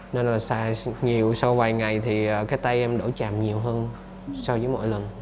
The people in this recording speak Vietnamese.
nên là xài nhiều sau vài ngày thì cái tay em đổ chạm nhiều hơn so với mỗi lần